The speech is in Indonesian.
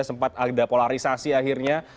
sempat ada polarisasi akhirnya